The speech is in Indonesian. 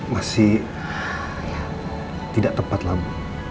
masih tidak tepat lah bu